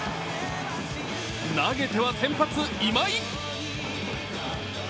投げては先発・今井。